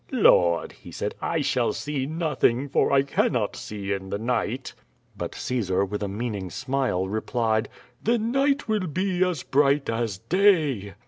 "Lord," he said, "I shall see nothing, for I cannot see in the night." But Caesar, with a meaning smile, replied: "The night will be as bright as day."